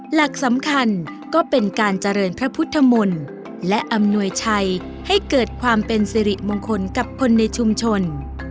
หลักสำคัญก็เป็นการเจริญพระพุทธมนต์และอำนวยชัยให้เกิดความเป็นสิริมงคลกับคนในชุมชน